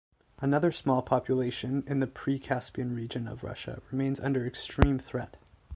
Another small population in the Pre-Caspian region of Russia remains under extreme threat.